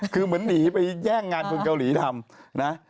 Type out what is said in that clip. คือเหมือนหนีไปแย่งงานคนเกาหลีทำนะ